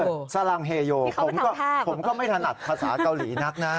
อือสารางเฮโหยโหยผมก็ไม่ถนัดภาษาเกาหลีนักนะ